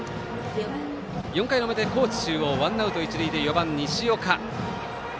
４回の表、高知中央ワンアウト、一塁で４番西岡。